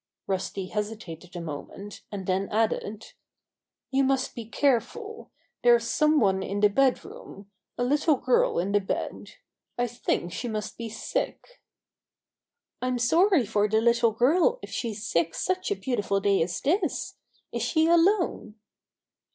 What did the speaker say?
Rusty hesitated a moment, and then added: "You must be careful. There's some one in the bed room — a little girl in the bed. I think she must be sick." "I'm sorry for the little girl if she's sick such a beautiful day as this. Is she alone?"